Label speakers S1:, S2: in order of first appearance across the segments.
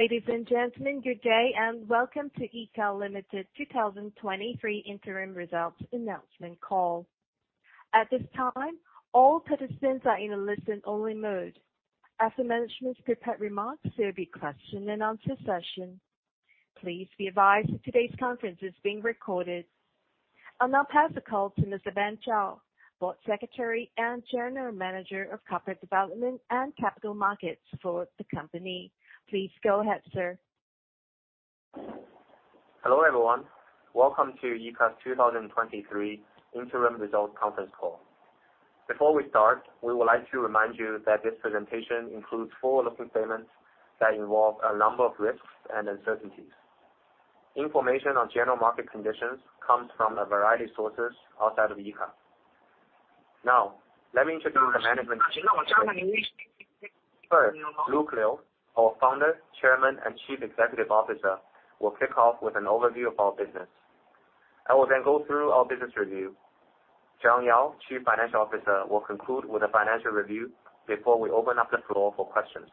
S1: Ladies and gentlemen, good day and welcome to Yeahka Limited 2023 Interim results announcement call. At this time, all participants are in a listen-only mode. After management's prepared remarks, there will be a question and answer session. Please be advised that today's conference is being recorded. I'll now pass the call to Mr. Ben Zhao, Board Secretary and General Manager of Corporate Development and Capital Markets for the company. Please go ahead, sir.
S2: Hello, everyone. Welcome to Yeahka 2023 Interim results conference call. Before we start, we would like to remind you that this presentation includes forward-looking statements that involve a number of risks and uncertainties. Information on general market conditions comes from a variety of sources outside of Yeahka. Now, let me introduce the management. First, Luke Liu, our Founder, Chairman, and Chief Executive Officer, will kick off with an overview of our business. I will then go through our business review. John Yao, Chief Financial Officer, will conclude with a financial review before we open up the floor for questions.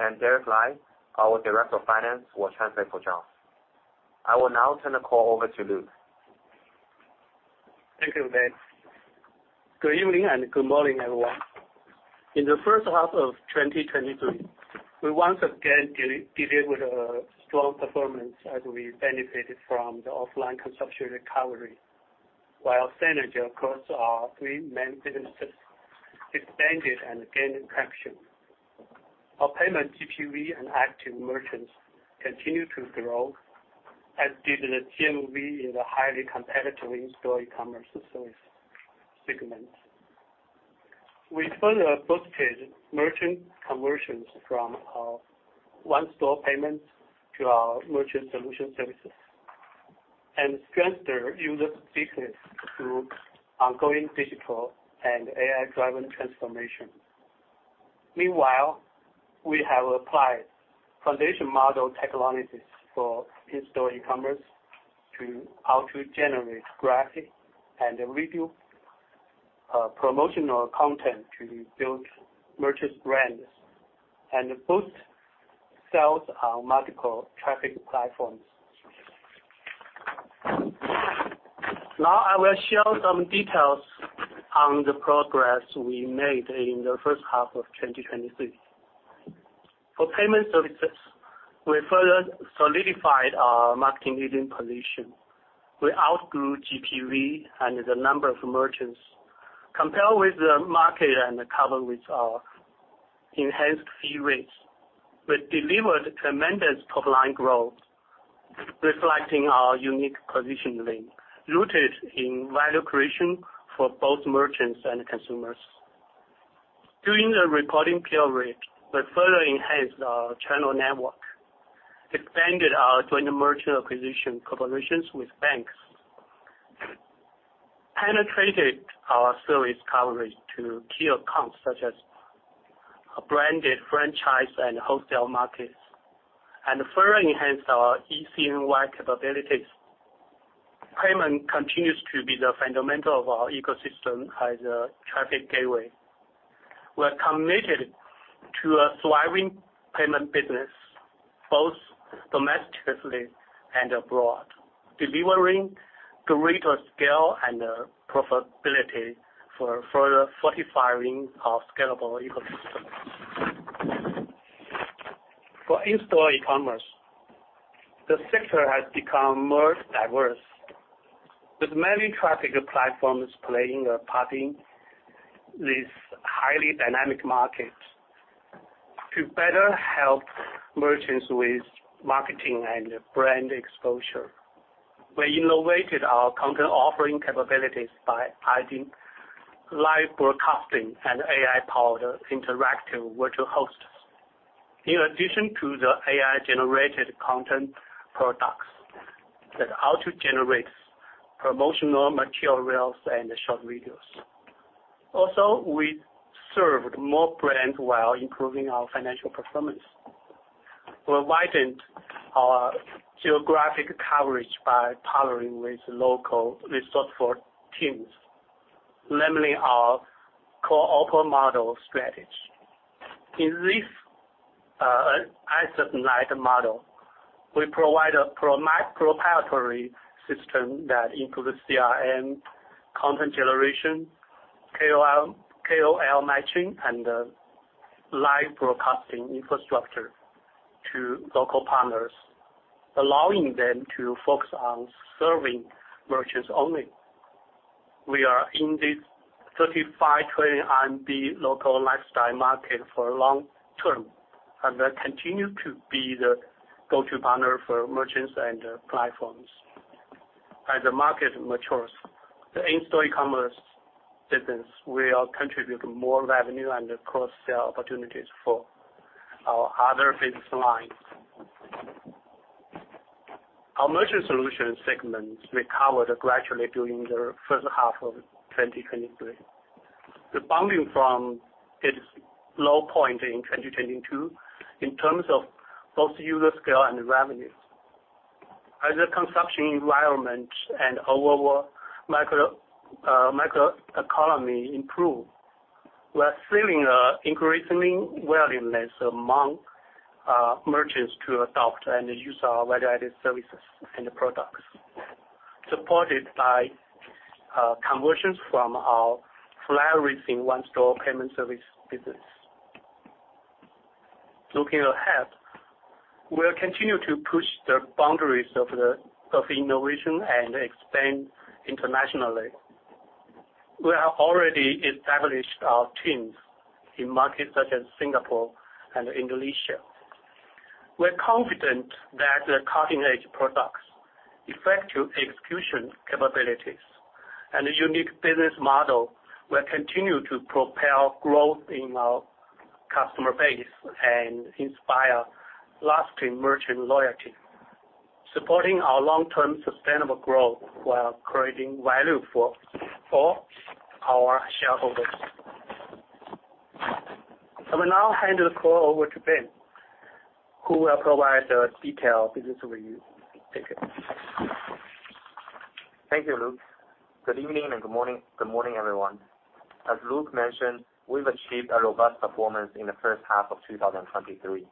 S2: And Derek Lai, our Director of Finance, will translate for John. I will now turn the call over to Luke.
S3: Thank you, Ben. Good evening and good morning, everyone. In the first half of 2023, we once again delivered a strong performance as we benefited from the offline consumption recovery, while synergy across our three main businesses expanded and gained traction. Our payment GPV and active merchants continued to grow, as did the GMV in the highly competitive in-store e-commerce service segment. We further boosted merchant conversions from our one-stop payments to our merchant solution services, and strengthened user business through ongoing digital and AI-driven transformation. Meanwhile, we have applied foundation model technologies for in-store e-commerce to auto-generate graphic and review promotional content to build merchants' brands and boost sales on multiple traffic platforms. Now, I will share some details on the progress we made in the first half of 2023. For payment services, we further solidified our market leading position. We outgrew GPV and the number of merchants. Compared with the market and covered with our enhanced fee rates, we delivered tremendous top line growth, reflecting our unique positioning, rooted in value creation for both merchants and consumers. During the reporting period, we further enhanced our channel network, expanded our joint merchant acquisition collaborations with banks, penetrated our service coverage to key accounts, such as a branded franchise and wholesale markets, and further enhanced our e-CNY capabilities. Payment continues to be the fundamental of our ecosystem as a traffic gateway. We are committed to a thriving payment business, both domestically and abroad, delivering greater scale and profitability for further fortifying our scalable ecosystem. For in-store e-commerce, the sector has become more diverse, with many traffic platforms playing a part in this highly dynamic market. To better help merchants with marketing and brand exposure, we innovated our content offering capabilities by adding live broadcasting and AI-powered interactive virtual hosts. In addition to the AI-generated content products that auto-generates promotional materials and short videos. Also, we served more brands while improving our financial performance. We widened our geographic coverage by partnering with local resourceful teams, namely our cooperation model strategy. In this asset-light model, we provide a proprietary system that includes CRM, content generation, KOL, KOL matching, and live broadcasting infrastructure to local partners, allowing them to focus on serving merchants only. We are in this 35 trillion RMB local lifestyle market for long term, and will continue to be the go-to partner for merchants and platforms. As the market matures, the in-store e-commerce business will contribute more revenue and cross-sell opportunities for our other business lines. Our merchant solutions segments recovered gradually during the first half of 2023, rebounding from its low point in 2022 in terms of both user scale and revenue. As the consumption environment and overall microeconomy improve, we are feeling increasingly willingness among merchants to adopt and use our value-added services and products, supported by conversions from our flourishing one-stop payment service business. Looking ahead, we'll continue to push the boundaries of innovation and expand internationally. We have already established our teams in markets such as Singapore and Indonesia. We're confident that the cutting-edge products, effective execution capabilities, and a unique business model will continue to propel growth in our customer base and inspire lasting merchant loyalty, supporting our long-term sustainable growth while creating value for our shareholders. I will now hand the call over to Ben, who will provide the detailed business review. Take it.
S2: Thank you, Luke. Good evening, and good morning, good morning, everyone. As Luke mentioned, we've achieved a robust performance in the first half of 2023.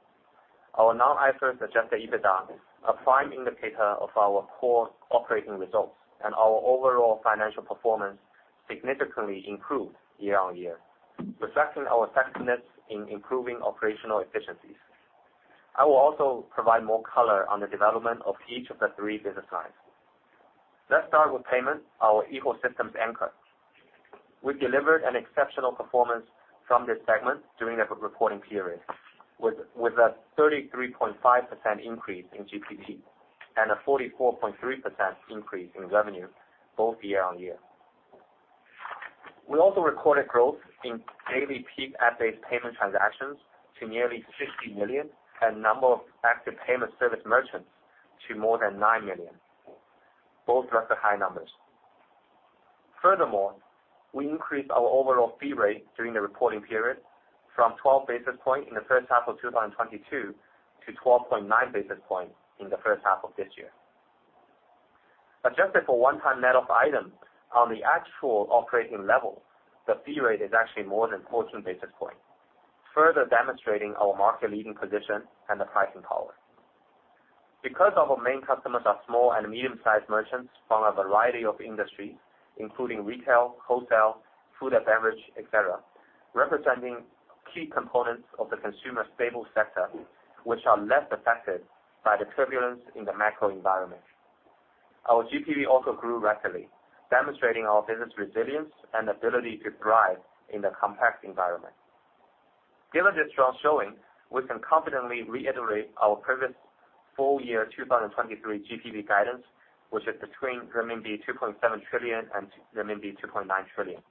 S2: Our non-IFRS adjusted EBITDA, a prime indicator of our core operating results and our overall financial performance, significantly improved year-on-year, reflecting our effectiveness in improving operational efficiencies. I will also provide more color on the development of each of the three business lines. Let's start with payment, our ecosystem's anchor. We delivered an exceptional performance from this segment during the reporting period, with a 33.5% increase in GPV and a 44.3% increase in revenue, both year-on-year. We also recorded growth in daily peak app-based payment transactions to nearly 60 million, and number of active payment service merchants to more than 9 million. Both record high numbers. Furthermore, we increased our overall fee rate during the reporting period from 12 basis points in the first half of 2022 to 12.9 basis points in the first half of this year. Adjusted for one-time net off items on the actual operating level, the fee rate is actually more than 14 basis points, further demonstrating our market-leading position and the pricing power. Because our main customers are small and medium-sized merchants from a variety of industries, including retail, wholesale, food and beverage, et cetera, representing key components of the consumer stable sector, which are less affected by the turbulence in the macro environment. Our GPV also grew rapidly, demonstrating our business resilience and ability to thrive in the complex environment. Given this strong showing, we can confidently reiterate our previous full year 2023 GPV guidance, which is between RMB 2.7 trillion and RMB 2.9 trillion.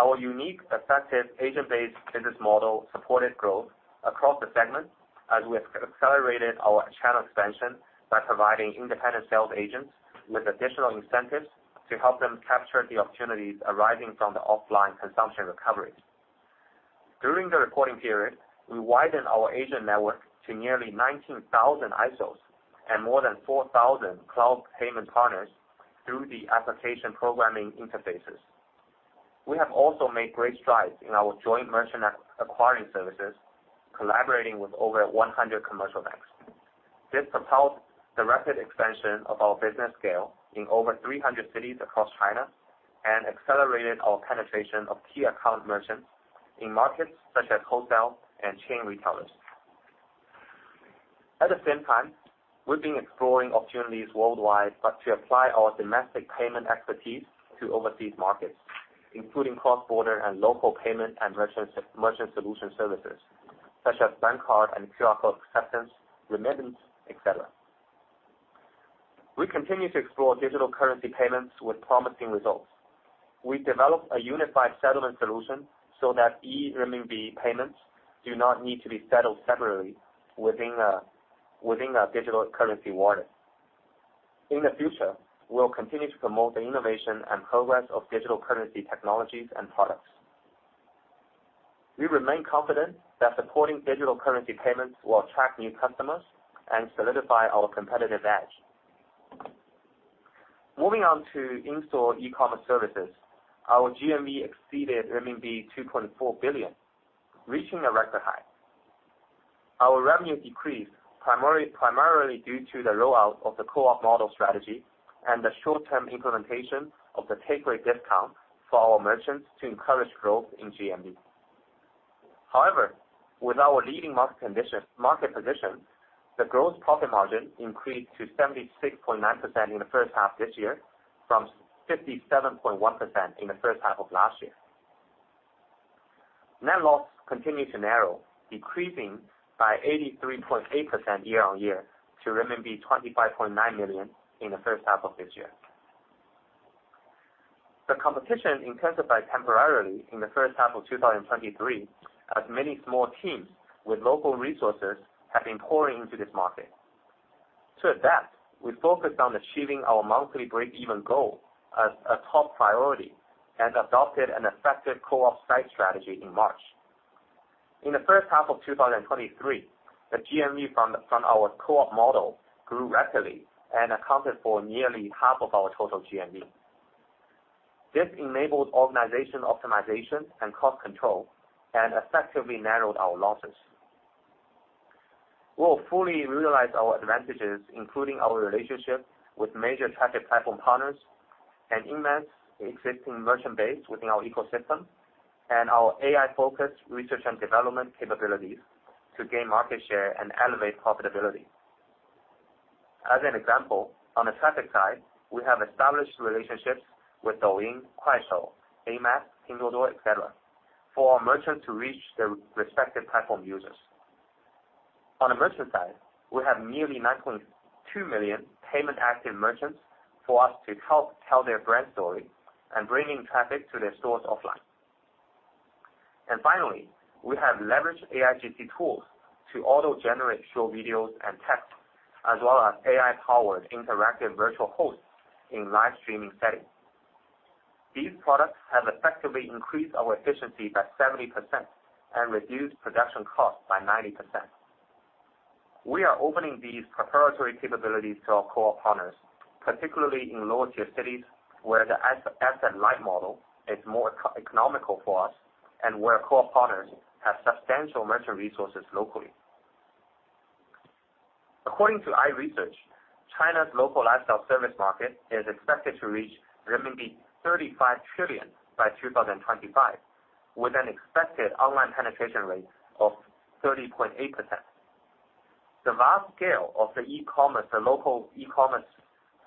S2: Our unique, effective, agent-based business model supported growth across the segment, as we have accelerated our channel expansion by providing independent sales agents with additional incentives to help them capture the opportunities arising from the offline consumption recovery. During the reporting period, we widened our agent network to nearly 19,000 ISOs and more than 4,000 cloud payment partners through the application programming interfaces. We have also made great strides in our joint merchant acquiring services, collaborating with over 100 commercial banks. This propelled the rapid expansion of our business scale in over 300 cities across China and accelerated our penetration of key account merchants in markets such as wholesale and chain retailers. At the same time, we've been exploring opportunities worldwide, but to apply our domestic payment expertise to overseas markets, including cross-border and local payment and merchant solution services, such as bank card and QR code acceptance, remittance, et cetera. We continue to explore digital currency payments with promising results. We developed a unified settlement solution so that e-RMB payments do not need to be settled separately within a digital currency wallet. In the future, we'll continue to promote the innovation and progress of digital currency technologies and products. We remain confident that supporting digital currency payments will attract new customers and solidify our competitive edge. Moving on to in-store e-commerce services, our GMV exceeded RMB 2.4 billion, reaching a record high. Our revenue decreased primarily due to the rollout of the co-op model strategy and the short-term implementation of the take rate discount for our merchants to encourage growth in GMV. However, with our leading market condition, market position, the gross profit margin increased to 76.9% in the first half this year from 57.1% in the first half of last year. Net loss continued to narrow, decreasing by 83.8% year-on-year to renminbi 25.9 million in the first half of this year. The competition intensified temporarily in the first half of 2023, as many small teams with local resources have been pouring into this market. To adapt, we focused on achieving our monthly break-even goal as a top priority and adopted an effective co-op site strategy in March. In the first half of 2023, the GMV from our co-op model grew rapidly and accounted for nearly half of our total GMV. This enabled organization optimization and cost control, and effectively narrowed our losses. We'll fully realize our advantages, including our relationship with major traffic platform partners and immense existing merchant base within our ecosystem, and our AI-focused research and development capabilities to gain market share and elevate profitability. As an example, on the traffic side, we have established relationships with Douyin, Kuaishou, Amap, Pinduoduo, et cetera, for our merchants to reach their respective platform users. On the merchant side, we have nearly 9.2 million payment-active merchants for us to help tell their brand story and bringing traffic to their stores offline. And finally, we have leveraged AIGC tools to auto-generate short videos and text, as well as AI-powered interactive virtual hosts in live streaming settings. These products have effectively increased our efficiency by 70% and reduced production costs by 90%. We are opening these proprietary capabilities to our core partners, particularly in lower-tier cities, where the asset-light model is more economical for us and where core partners have substantial merchant resources locally. According to iResearch, China's local lifestyle service market is expected to reach RMB 35 trillion by 2025, with an expected online penetration rate of 30.8%. The vast scale of the e-commerce, the local e-commerce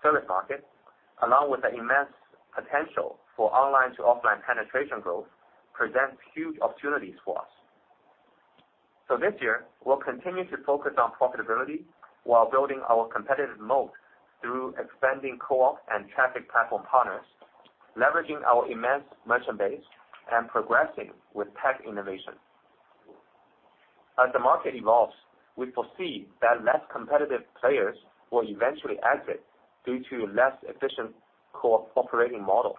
S2: service market, along with the immense potential for online to offline penetration growth, presents huge opportunities for us. So this year, we'll continue to focus on profitability while building our competitive moat through expanding co-op and traffic platform partners, leveraging our immense merchant base, and progressing with tech innovation. As the market evolves, we foresee that less competitive players will eventually exit due to less efficient co-operating model,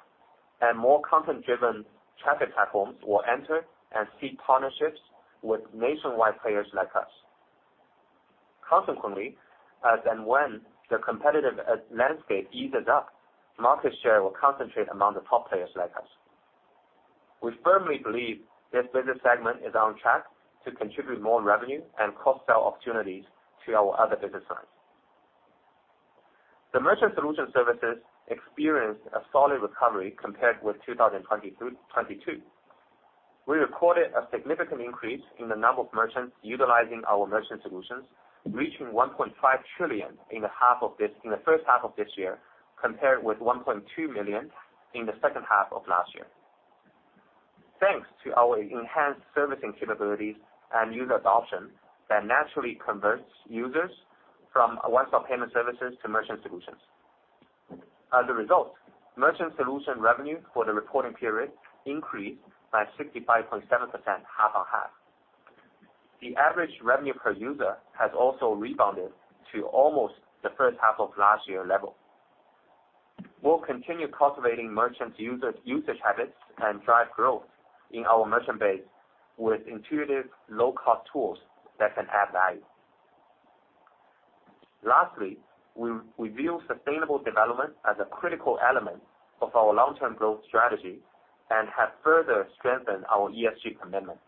S2: and more content-driven traffic platforms will enter and seek partnerships with nationwide players like us. Consequently, as and when the competitive landscape eases up, market share will concentrate among the top players like us. We firmly believe this business segment is on track to contribute more revenue and cross-sell opportunities to our other business lines. The merchant solution services experienced a solid recovery compared with 2023, 2022. We recorded a significant increase in the number of merchants utilizing our merchant solutions, reaching 1.5 million in the first half of this year, compared with 1.2 million in the second half of last year. Thanks to our enhanced servicing capabilities and user adoption that naturally converts users from one-stop payment services to merchant solutions. As a result, merchant solution revenue for the reporting period increased by 65.7% half-on-half. The average revenue per user has also rebounded to almost the first half of last year level. We'll continue cultivating merchants' usage habits and drive growth in our merchant base with intuitive, low-cost tools that can add value. Lastly, we, we view sustainable development as a critical element of our long-term growth strategy and have further strengthened our ESG commitment.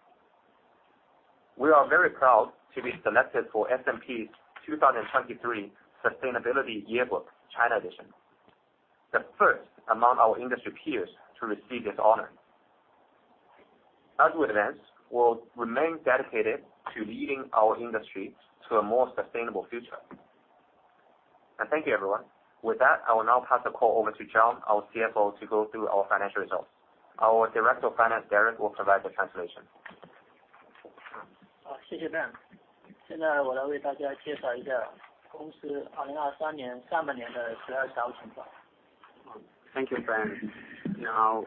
S2: We are very proud to be selected for S&P's 2023 Sustainability Yearbook, China Edition, the first among our industry peers to receive this honor. As we advance, we'll remain dedicated to leading our industry to a more sustainable future. Thank you, everyone. With that, I will now pass the call over to John, our CFO, to go through our financial results. Our Director of Finance, Derek, will provide the translation.
S4: Thank you, Ben. Now,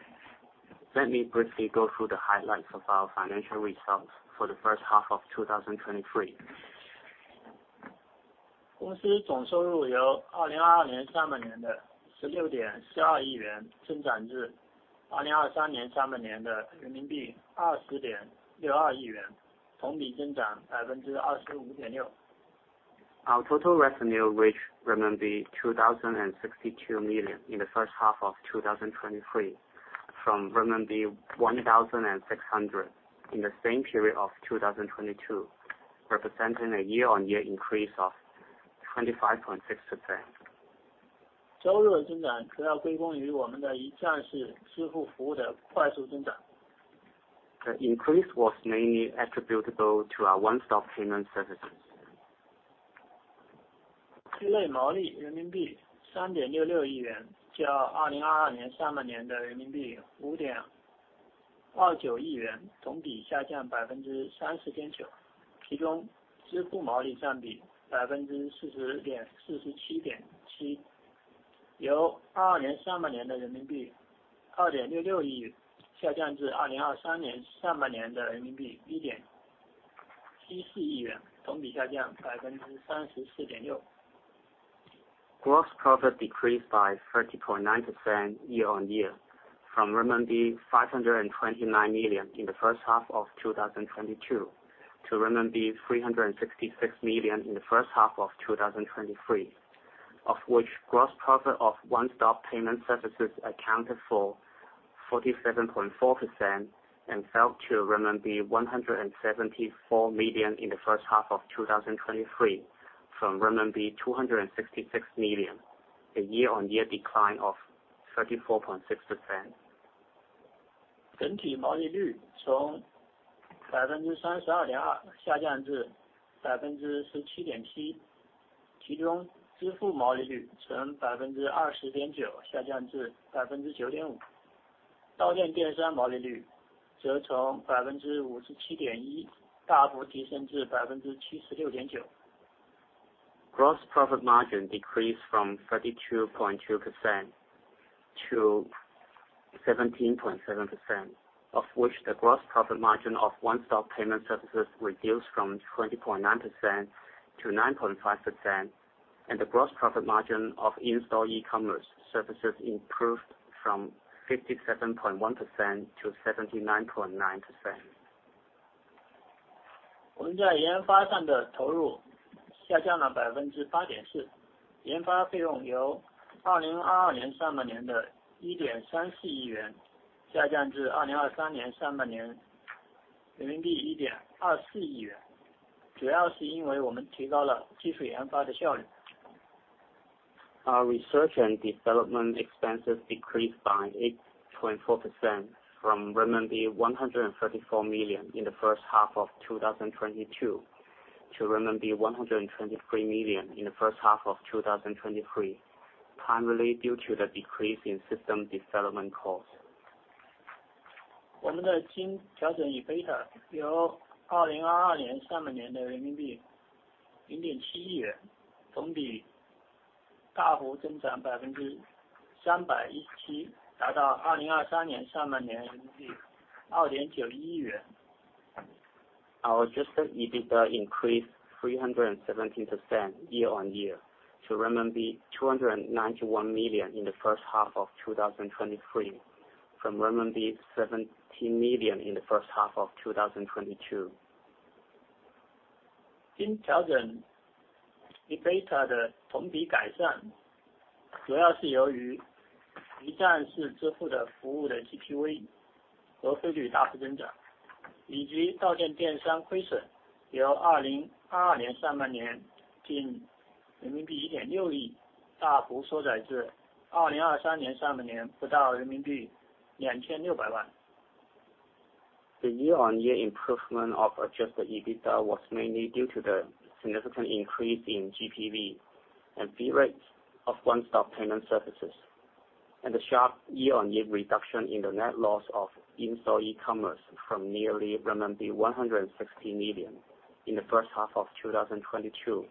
S4: let me briefly go through the highlights of our financial results for the first half of 2023. Our total revenue reached CNY 2,062 million in the first half of 2023, from RMB 1,600 million in the same period of 2022, representing a year-on-year increase of The increase was mainly attributable to our one-stop payment services. Gross profit CNY 3.6 billion, compared to CNY 5.29 billion in the same period of 2022, a year-on-year decrease of 30.9%. Among them, the payment profit ratio was 40.4%, 47.7%, from CNY 2.6 billion in the same period of 2022, to CNY 1.7 billion in the same period of 2023, a year-on-year decrease of 34.6%.
S5: ...Gross profit decreased by 30.9% year-on-year from RMB 529 million in the first half of 2022, to RMB 366 million in the first half of 2023, of which gross profit of one-stop payment services accounted for 47.4% and fell to RMB 174 million in the first half of 2023, from RMB 266 million, a year-on-year decline of 34.6%.
S4: 整体毛利率从32.2%下降至17.7%，其中支付毛利率从20.9%下降至9.5%，到店电商毛利率则从57.1%大幅提升至76.9%。
S5: Gross profit margin decreased from 32.2%-17.7%, of which the gross profit margin of one-stop payment services reduced from 20.9%-9.5%, and the gross profit margin of in-store e-commerce services improved from 57.1%-79.9%.
S4: 我们在研发上的投入下降了8.4%，研发费用由2022年上半年的1.34亿元，下降至2023年上半年人民币1.24亿元，主要是因为我们提高了技术研发的效率。
S5: Our research and development expenses decreased by 8.4% from renminbi 134 million in the first half of 2022, to renminbi 123 million in the first half of 2023, primarily due to the decrease in system development costs.
S4: 我们的经调整EBITDA由2022年上半年的人民币0.7亿元，同比大幅增长317%，达到2023年上半年的人民币2.91亿元。
S5: Our adjusted EBITDA increased 317% year-over-year to RMB 291 million in the first half of 2023, from RMB 17 million in the first half of 2022.
S4: 经调整EBITDA的同比改善，主要由于一站式支付服务的GPV和费率大幅增长，以及到店电商亏损由2022年上半年近人民币1.6亿，大幅缩窄至2023年上半年不到人民币2,600万。
S5: The year-on-year improvement of adjusted EBITDA was mainly due to the significant increase in GPV and fee rates of one-stop payment services, and the sharp year-on-year reduction in the net loss of in-store e-commerce from nearly RMB 160 million in the first half of 2022,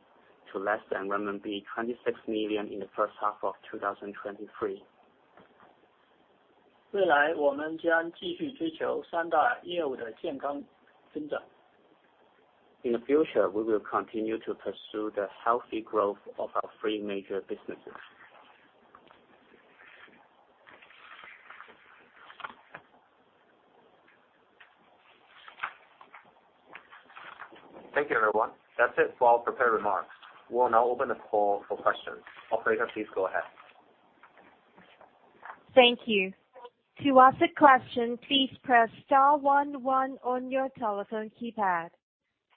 S5: to less than RMB 26 million in the first half of 2023.
S4: 未来我们将继续追求三大业务的健康增长。
S5: In the future, we will continue to pursue the healthy growth of our three major businesses.
S2: Thank you, everyone. That's it for our prepared remarks. We'll now open the call for questions. Operator, please go ahead.
S1: Thank you. To ask a question, please press star one one on your telephone keypad.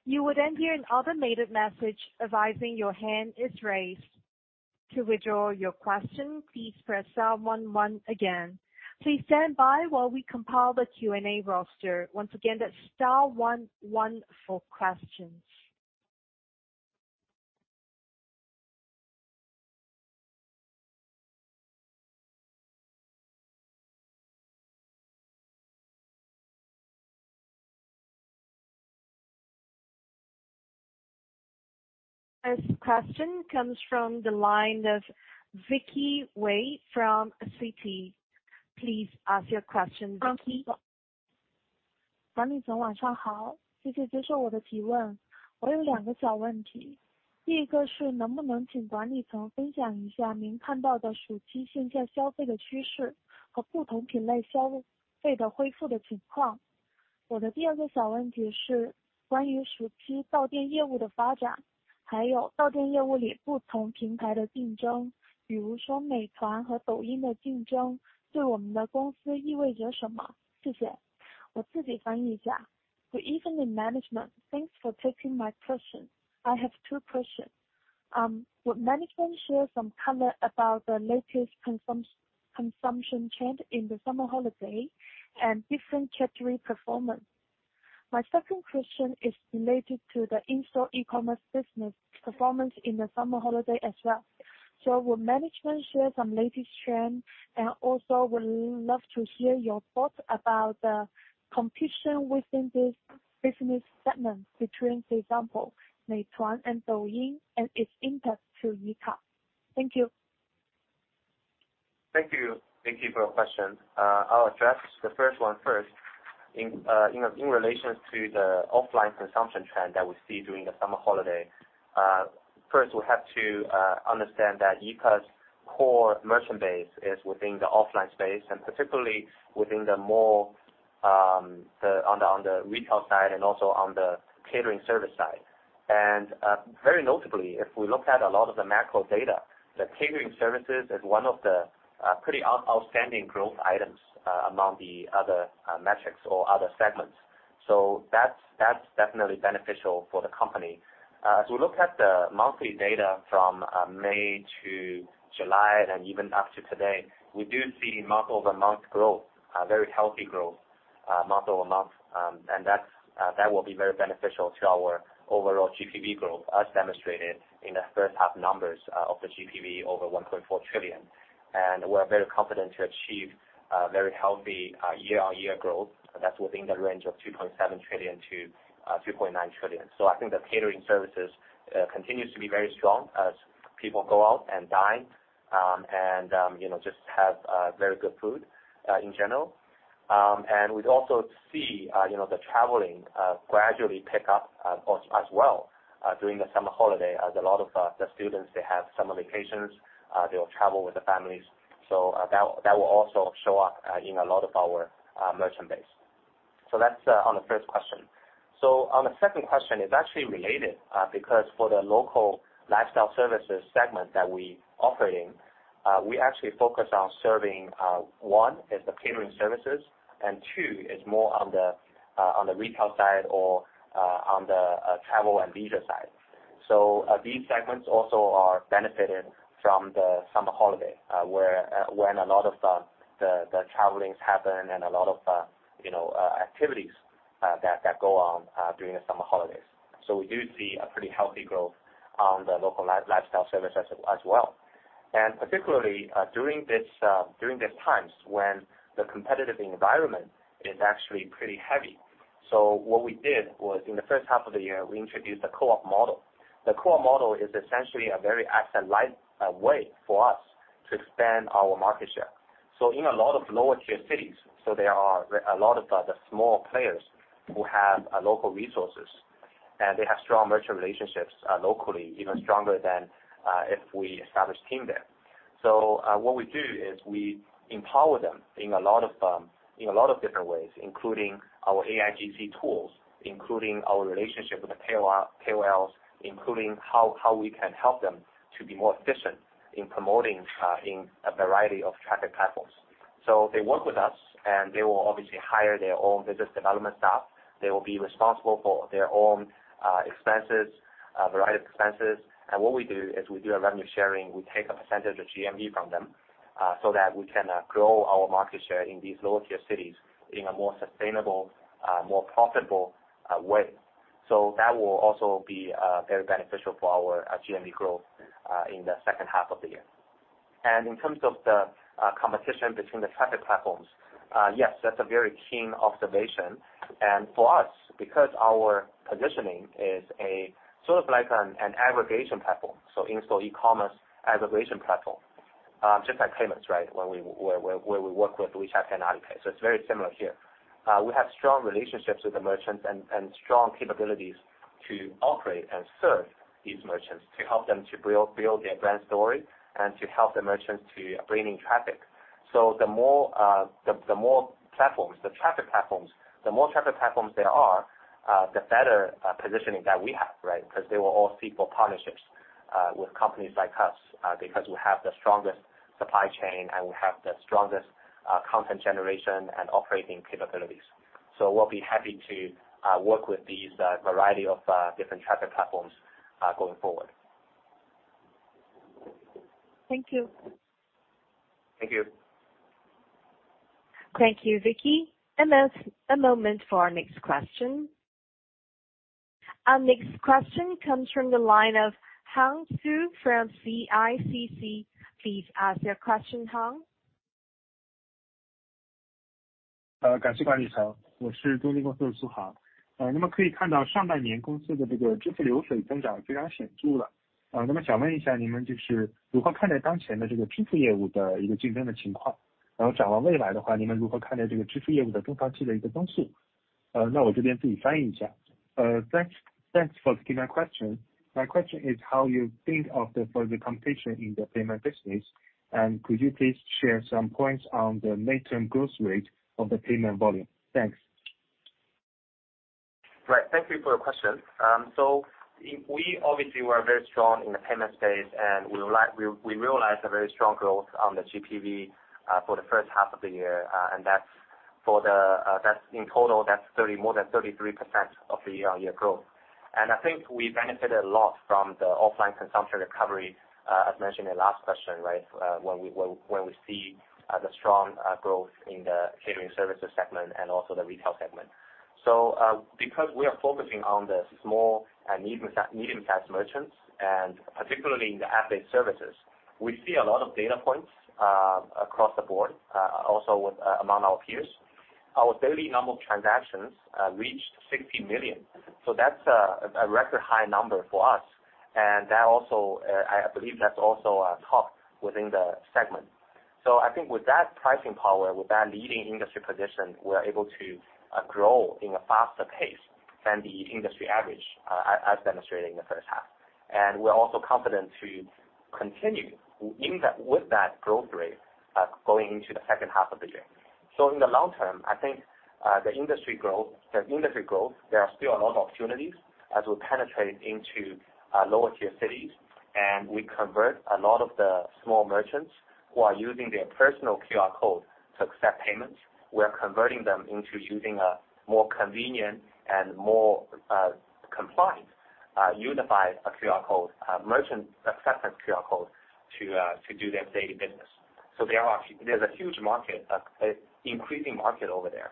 S1: You will then hear an automated message advising your hand is raised. To withdraw your question, please press star one one again. Please stand by while we compile the Q&A roster. Once again, that's star one one for questions. First question comes from the line of Vicky Wei from Citi. Please ask your question, Vicky.
S6: 管理层晚上好，谢谢接受我的提问。我有两个小问题，第一个是能不能请管理层分享一下您看到的暑期现在消费的趋势和不同品类消费的恢复的情况？我的第二个小问题是关于暑期到店业务的发展，还有到店业务里不同平台的竞争，比如说美团和抖音的竞争对我们的公司意味着什么？谢谢。我自己翻译一下。Good evening, management. Thanks for taking my question. I have two questions. Would management share some color about the latest consumption trend in the summer holiday and different category performance? My second question is related to the in-store e-commerce business performance in the summer holiday as well. So will management share some latest trends, and also would love to hear your thoughts about the competition within this business segment between, for example, Meituan and Douyin, and its impact to Yeahka. Thank you.
S2: Thank you. Thank you for your question. I'll address the first one first. In relations to the offline consumption trend that we see during the summer holiday, first, we have to understand that Yeahka's core merchant base is within the offline space, and particularly within the more on the retail side and also on the catering service side. And very notably, if we look at a lot of the macro data, the catering services is one of the pretty outstanding growth items among the other metrics or other segments. So that's definitely beneficial for the company. As we look at the monthly data from May to July and even up to today, we do see month-over-month growth, a very healthy growth, month-over-month. And that's, that will be very beneficial to our overall GPV growth, as demonstrated in the first half numbers, of the GPV over 1.4 trillion. And we're very confident to achieve, very healthy, year-on-year growth, that's within the range of 2.7 trillion-2.9 trillion. So I think the catering services, continues to be very strong as people go out and dine, and, you know, just have, very good food, in general. And we'd also see, you know, the traveling, gradually pick up, as, as well, during the summer holiday, as a lot of, the students, they have summer vacations, they'll travel with the families. So, that, that will also show up, in a lot of our, merchant base. So that's on the first question. So on the second question, it's actually related, because for the local lifestyle services segment that we offer in, we actually focus on serving, one, is the catering services, and two, is more on the, on the retail side or, on the, travel and leisure side. So, these segments also are benefited from the summer holiday, where, when a lot of the travelings happen and a lot of, you know, activities, that go on, during the summer holidays. So we do see a pretty healthy growth on the local lifestyle services as well. And particularly, during this times when the competitive environment is actually pretty heavy. So what we did was, in the first half of the year, we introduced the co-op model. The co-op model is essentially a very asset-light way for us to expand our market share. So in a lot of lower-tier cities, so there are a lot of the small players who have local resources, and they have strong merchant relationships locally, even stronger than if we establish team there. So what we do is we empower them in a lot of different ways, including our AIGC tools, including our relationship with the KOL, KOLs, including how we can help them to be more efficient in promoting in a variety of traffic platforms. So they work with us, and they will obviously hire their own business development staff. They will be responsible for their own expenses, a variety of expenses. And what we do is we do a revenue sharing. We take a percentage of GMV from them, so that we can grow our market share in these lower-tier cities in a more sustainable, more profitable way. So that will also be very beneficial for our GMV growth in the second half of the year. And in terms of the competition between the traffic platforms, yes, that's a very keen observation. And for us, because our positioning is a sort of like an aggregation platform, so in-store e-commerce aggregation platform, just like payments, right? Where we work with WeChat and Alipay. So it's very similar here. We have strong relationships with the merchants and strong capabilities to operate and serve these merchants, to help them to build their brand story and to help the merchants to bring in traffic. So the more platforms, the traffic platforms, the more traffic platforms there are, the better positioning that we have, right? 'Cause they will all seek for partnerships with companies like us, because we have the strongest supply chain, and we have the strongest content generation and operating capabilities. So we'll be happy to work with these variety of different traffic platforms going forward.
S6: Thank you.
S2: Thank you.
S1: Thank you, Vicky. There's a moment for our next question. Our next question comes from the line of Hang Su from CITIC. Please ask your question, Hang.
S7: Thanks, thanks for taking my question. My question is how you think of the competition in the payment business? And could you please share some points on the mid-term growth rate of the payment volume? Thanks.
S2: Right. Thank you for your question. So we obviously we're very strong in the payment space, and we realized a very strong growth on the GPV for the first half of the year. And that's in total, that's more than 33% year-on-year growth. And I think we benefited a lot from the offline consumption recovery, as mentioned in last question, right? When we see the strong growth in the catering services segment and also the retail segment. So, because we are focusing on the small and medium-sized merchants, and particularly in the app-based services, we see a lot of data points across the board, also with among our peers. Our daily number of transactions reached 60 million. So that's a record high number for us, and that also, I believe that's also top within the segment. So I think with that pricing power, with that leading industry position, we're able to grow in a faster pace than the industry average, as demonstrating the first half. And we're also confident to continue in that—with that growth rate, going into the second half of the year. So in the long term, I think the industry growth, the industry growth, there are still a lot of opportunities as we penetrate into lower tier cities, and we convert a lot of the small merchants who are using their personal QR code to accept payments. We are converting them into using a more convenient and more, compliant, unified QR code, merchant acceptance QR code to, to do their daily business. So there are actually. There's a huge market, increasing market over there.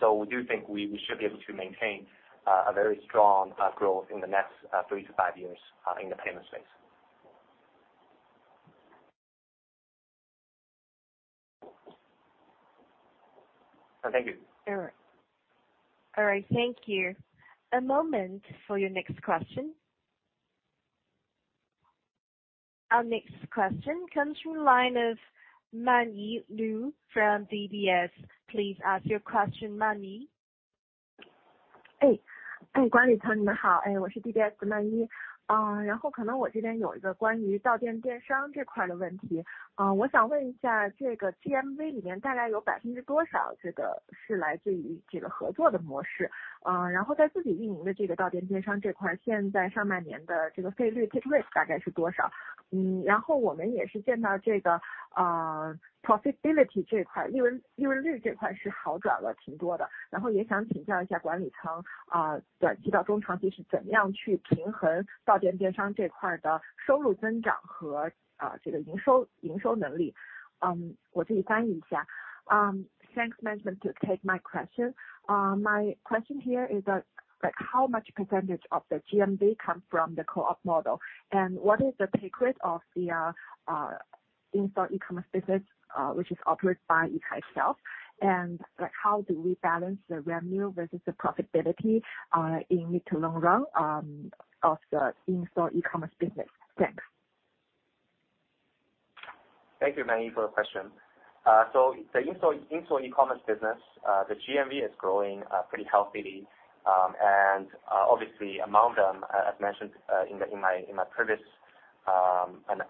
S2: So we do think we, we should be able to maintain, a very strong, growth in the next, three to five years, in the payment space. Thank you!
S1: All right. Thank you. A moment for your next question. Our next question comes from the line of Manyi LU from DBS. Please ask your question, Manny.
S8: Hey, thanks, management, to take my question. My question here is that, like, how much percentage of the GMV comes from the co-op model? And what is the take rate of the in-store e-commerce business, which is operated by Yeahka itself? And, like, how do we balance the revenue versus the profitability in mid to long run of the in-store e-commerce business? Thanks.
S2: Thank you, Manny, for your question. So the in-store e-commerce business, the GMV is growing pretty healthily. And obviously, among them, as mentioned in my previous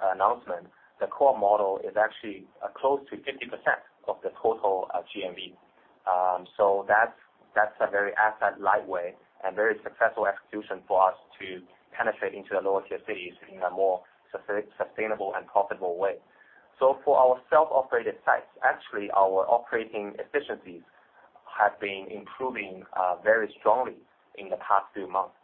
S2: announcement, the core model is actually close to 50% of the total GMV. So that's a very asset-light way and very successful execution for us to penetrate into the lower-tier cities in a more sustainable and profitable way. So for our self-operated sites, actually, our operating efficiencies have been improving very strongly in the past few months.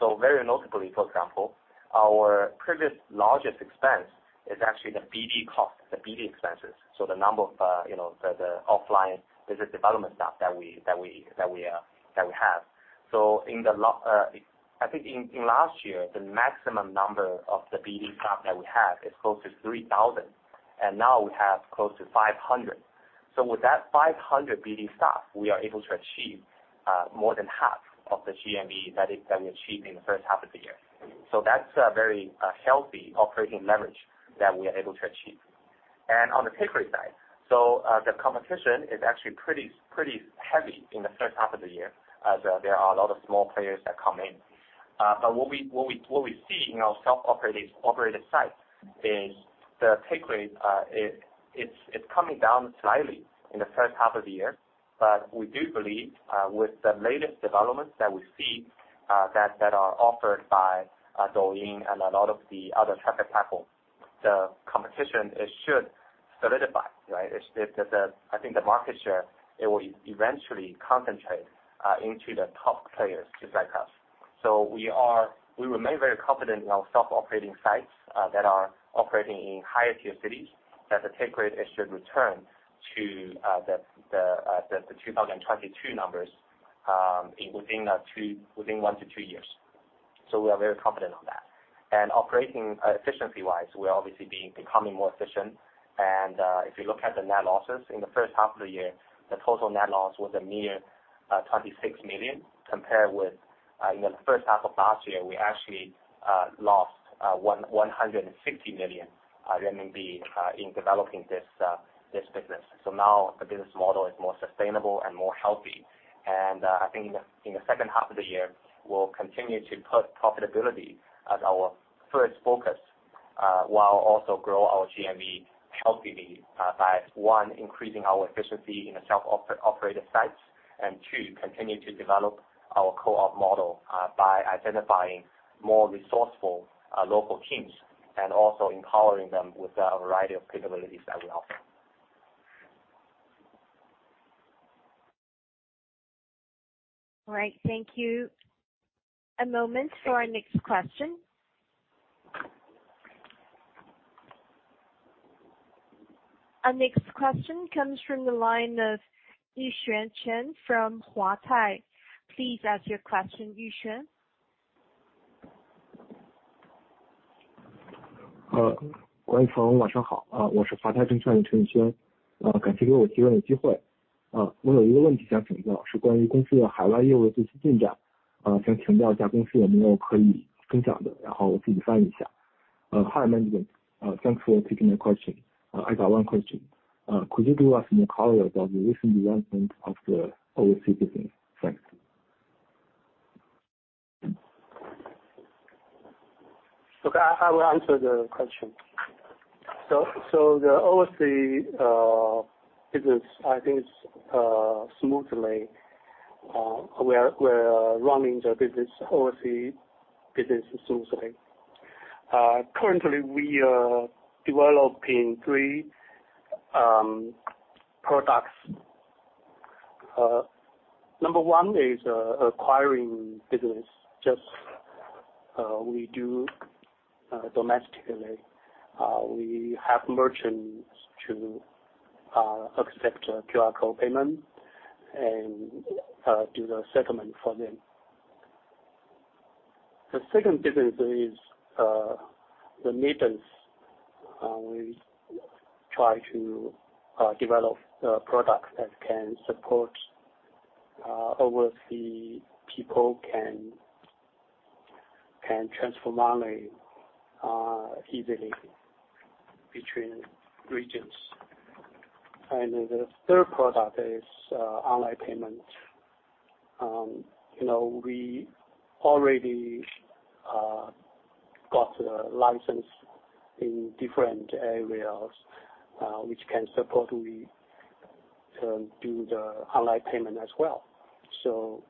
S2: So very notably, for example, our previous largest expense is actually the BD cost, the BD expenses, so the number of, you know, the offline business development staff that we have. So in the last year, I think in last year, the maximum number of the BD staff that we have is close to 3,000, and now we have close to 500. So with that 500 BD staff, we are able to achieve more than half of the GMV that we achieved in the first half of the year. So that's a very healthy operating leverage that we are able to achieve. And on the take rate side, the competition is actually pretty heavy in the first half of the year, as there are a lot of small players that come in. But what we see in our self-operated sites is the take rate, it's coming down slightly in the first half of the year. But we do believe, with the latest developments that we see, that are offered by, Douyin and a lot of the other traffic platforms, the competition, it should solidify, right? It- the, I think the market share, it will eventually concentrate, into the top players just like us. So we are- we remain very confident in our self-operating sites, that are operating in higher tier cities, that the take rate it should return to, the two thousand and twenty-two numbers, in within the three- within one to three years. So we are very confident on that. And operating, efficiency-wise, we are obviously becoming more efficient. If you look at the net losses in the first half of the year, the total net loss was a mere 26 million, compared with in the first half of last year, we actually lost 160 million renminbi in developing this business. So now the business model is more sustainable and more healthy. I think in the second half of the year, we'll continue to put profitability as our first focus while also grow our GMV healthily by one, increasing our efficiency in the self-operated sites, and two, continue to develop our co-op model by identifying more resourceful local teams and also empowering them with a variety of capabilities that we offer.
S1: All right, thank you. A moment for our next question. Our next question comes from the line of Yuxuan Chen from Huatai. Please ask your question, Yuxuan.
S9: Good morning, Chen. Morning, good morning. Management, thanks for taking the question. I got one question. Could you give us more color about the recent development of the overseas business? Thanks.
S3: Look, I will answer the question. So the overseas business, I think it's smoothly, we are running the business, overseas business smoothly. Currently, we are developing three products. Number one is acquiring business, just we do domestically. We have merchants to accept QR code payment and do the settlement for them. The second business is the remittance. We try to develop a product that can support overseas people can transfer money easily between regions. And the third product is online payment. You know, we already got the license in different areas, which can support we do the online payment as well. So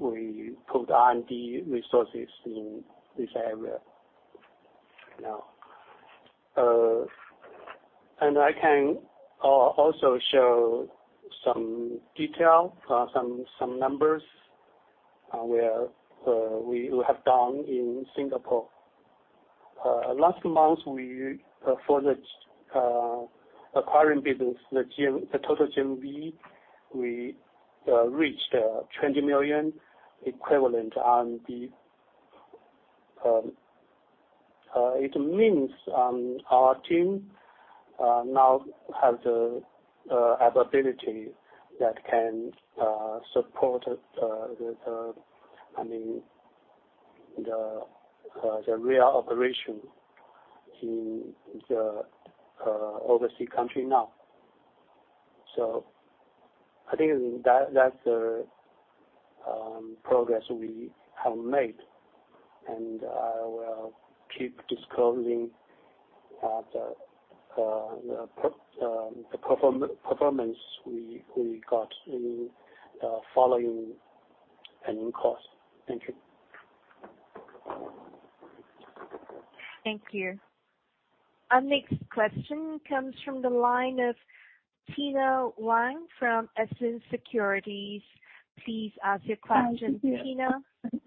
S3: we put R&D resources in this area now. And I can also show some detail, some numbers, where we have done in Singapore. Last month, we for the acquiring business, the GM, the total GMV, we reached 20 million equivalent CNY. It means our team now has the ability that can support the, I mean, the real operation in the overseas country now. So I think that that's the progress we have made, and I will keep disclosing the performance we got in the following earnings calls. Thank you.
S1: Thank you. Our next question comes from the line of Ting Wang from SDIC Securities. Please ask your question, Tina.
S10: Thank you,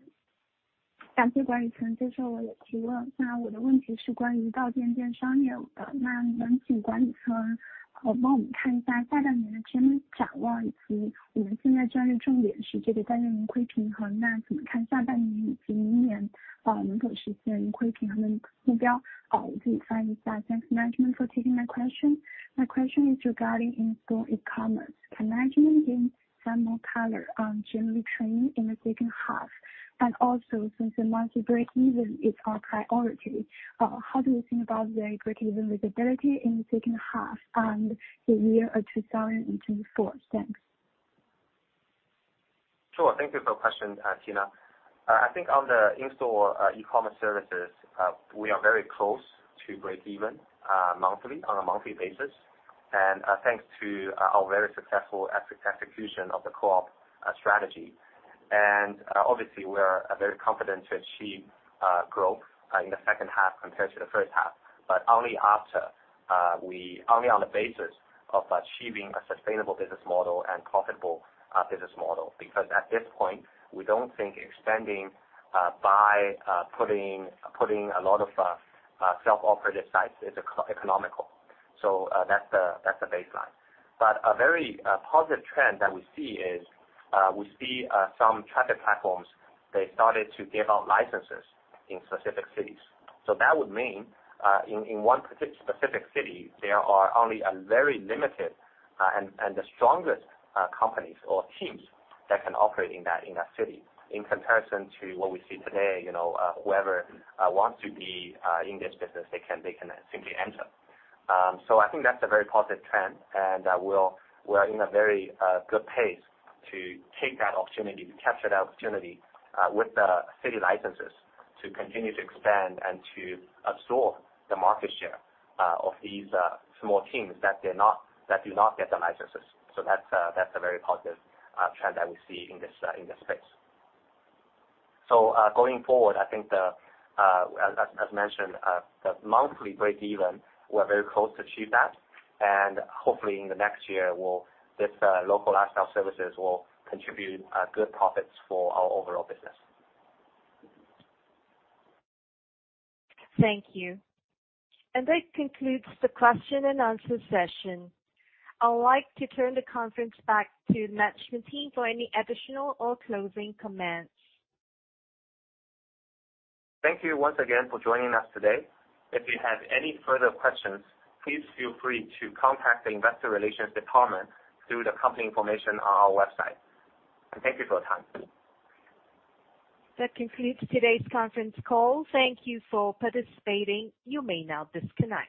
S10: management, for taking my question. My question is regarding in-store e-commerce. Can management give some more color on generally training in the second half? And also, since the monthly breakeven is our priority, how do you think about the breakeven visibility in the second half and the year of 2024? Thanks.
S2: Sure. Thank you for the question, Ting. I think on the in-store e-commerce services, we are very close to breakeven, monthly, on a monthly basis, and thanks to our very successful execution of the co-op strategy. And obviously, we are very confident to achieve growth in the second half compared to the first half, but only on the basis of achieving a sustainable business model and profitable business model, because at this point, we don't think expanding by putting a lot of self-operated sites is economical. So that's the baseline. But a very positive trend that we see is we see some traffic platforms; they started to give out licenses in specific cities. So that would mean in one specific city there are only a very limited and the strongest companies or teams that can operate in that city, in comparison to what we see today, you know, whoever wants to be in this business, they can simply enter. So I think that's a very positive trend, and we're in a very good pace to take that opportunity, to capture that opportunity with the city licenses to continue to expand and to absorb the market share of these small teams that do not get the licenses. So that's a very positive trend that we see in this space. So, going forward, I think, as mentioned, the monthly breakeven. We're very close to achieve that, and hopefully in the next year, we'll... This local lifestyle services will contribute good profits for our overall business.
S1: Thank you. That concludes the question and answer session. I'd like to turn the conference back to management team for any additional or closing comments.
S2: Thank you once again for joining us today. If you have any further questions, please feel free to contact the investor relations department through the company information on our website. Thank you for your time.
S1: That concludes today's conference call. Thank you for participating. You may now disconnect.